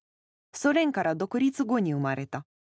ソ連から独立後に生まれた。